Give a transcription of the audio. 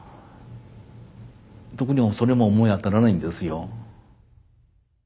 特にそれも思い当たらないんですよ。